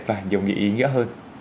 và nhiều nghĩa ý nghĩa hơn